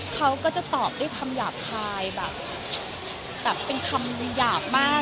เขาก็จะตอบด้วยคำหยาบคายแบบเป็นคำหยาบมาก